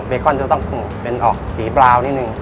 ใบคอนจะต้องกลัวเป็นออกสีบราวหน่อยหนึ่ง